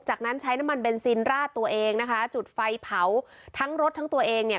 จากนั้นใช้น้ำมันเบนซินราดตัวเองนะคะจุดไฟเผาทั้งรถทั้งตัวเองเนี่ย